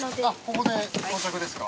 ここで到着ですか。